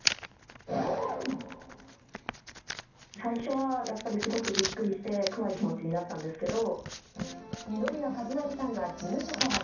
最初はやっぱりすごくびっくりして、怖い気持ちになったんですけど。